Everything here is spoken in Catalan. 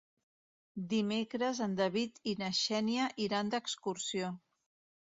Dimecres en David i na Xènia iran d'excursió.